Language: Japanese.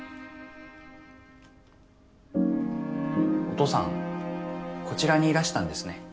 お父さんこちらにいらしたんですね。